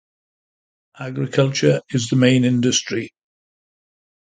Agriculture is the main industry.